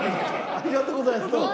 ありがとうございますどうも。